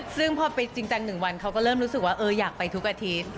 ซึ่งพอไปจริงจัง๑วันเขาก็เริ่มรู้สึกว่าอยากไปทุกอาทิตย์